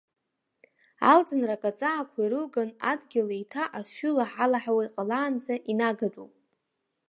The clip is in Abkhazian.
Алӡынрак аҵаақәа ирылган, адгьыл еиҭа афҩы лаҳалаҳауа иҟалаанӡа инагатәуп.